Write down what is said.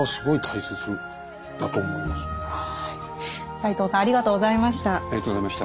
斎藤さんありがとうございました。